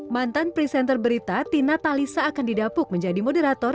mantan presenter berita tina talisa akan didapuk menjadi moderator